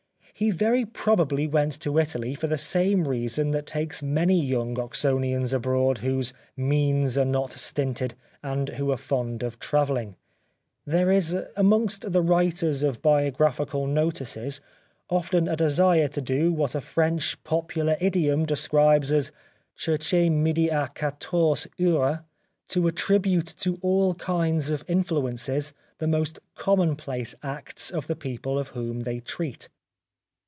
He very probably went to Italy for the same reason that takes many young Oxonians abroad, whose means are not stinted, and who are fond of travelling. There is amongst the writers of biographical notices often a desire to do what a i^ 145 The Life of Oscar Wilde French popular idiom describes as " chercher midi a quatorze heures/' to attribute to all kinds of influences the most commonplace acts of the people of whom they treat.